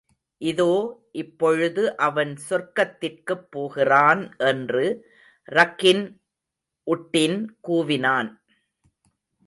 இதோ, இப்பொழுது அவன் சொர்க்கத்திற்குப் போகிறான் என்று ரக்கின் உட்டின் கூவினான்.